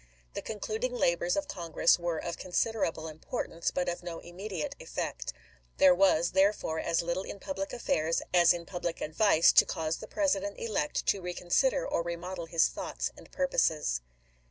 The concluding labors of Congress were of considerable importance, but of no immediate effect. There was, therefore, as little in public affairs as in public advice to cause 324 ABEAHAM LINCOLN chap. xxi. the President elect to reconsider or remodel his thoughts and purposes.